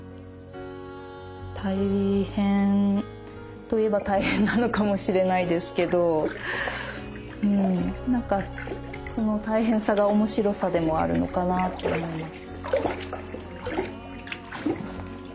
大変と言えば大変なのかもしれないですけど何かその大変さが面白さでもあるのかなと思います。